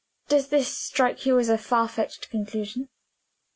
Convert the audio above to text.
Does this strike you as a far fetched conclusion?"